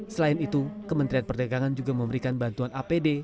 selain itu kementerian perdagangan juga memberikan bantuan apd